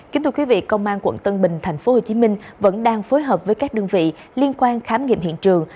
kính thưa quý vị công an quận tân bình tp hcm vẫn đang phối hợp với các đơn vị liên quan khám nghiệm hiện trường